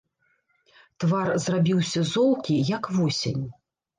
Твар зрабіўся золкі, як восень.